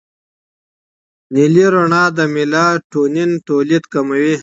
نیلي رڼا د میلاټونین تولید کموي.